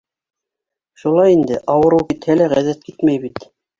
Шулай инде: ауырыу китһә лә ғәҙәт китмәй бит.